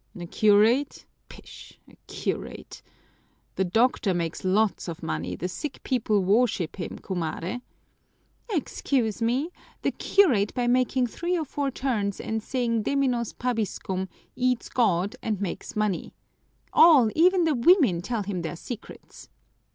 "A curate, pish! A curate? The doctor makes lots of money, the sick people worship him, cumare!" "Excuse me! The curate, by making three or four turns and saying deminos pabiscum, eats God and makes money. All, even the women, tell him their secrets."